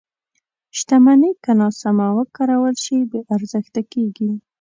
• شتمني که ناسمه وکارول شي، بې ارزښته کېږي.